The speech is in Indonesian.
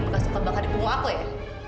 masuk saja gitu ada sesuatu di punggungku ya